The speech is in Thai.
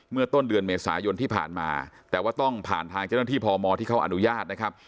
ต้นเดือนเมษายนที่ผ่านมาแต่ว่าต้องผ่านทางเจ้าหน้าที่พมที่เขาอนุญาตนะครับ